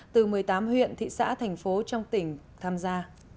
từ một mươi tám huyện thị xã thành phố trong tỉnh tham gia